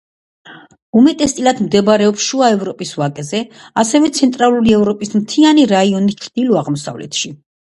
უმეტესწილად მდებარეობს შუა ევროპის ვაკეზე, ასევე ცენტრალური ევროპის მთიანი რაიონის ჩრდილო-აღმოსავლეთში.